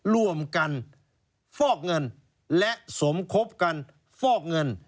ร่วมกันฟอกเงินและสมคบกันฟอกเงิน